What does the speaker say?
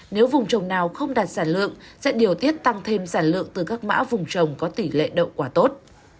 nếu vùng trồng nào không đạt sản lượng sẽ điều tiết tăng thêm sản lượng từ các mã vùng trồng có tỷ lệ đậu quả tốt